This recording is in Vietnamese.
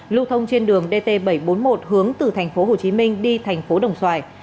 lưu thông trên đường dt bảy trăm bốn mươi một hướng từ tp hcm đi tp đồng xoài